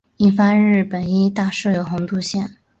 印幡日本医大侧有横渡线。